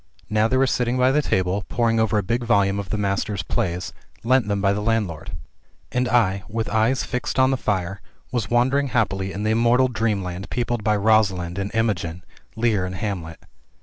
Now they were sitting by the table, poring over a big volume of the Master's plays, lent them by the landlord. And I, with eyes fixed on the fire, was wandering happily in the immortal dreamland peopled by Rosalind and Imogen, Lear and Hamlet.